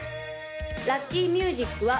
・ラッキーミュージックはＭ！